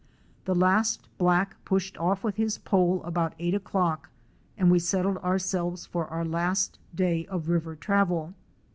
The last black pushed off with his pole about eight o'clock and we settled ourselves for our last day of river travel.